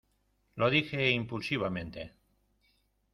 lo dije impulsivamente